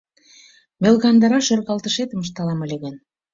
Мелгандыра шӧргалтышетым ышталам ыле гын